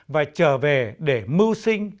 và trở về để mưu sinh ở nơi trôn nhau các rốt